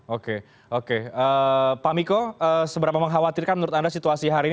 oke oke pak miko seberapa mengkhawatirkan menurut anda situasi hari ini